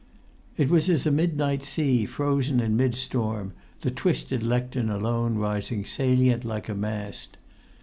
It was as a midnight sea frozen in mid storm, the twisted lectern alone rising salient like a mast.